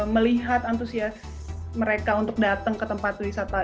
melihat antusias mereka untuk datang ke tempat wisata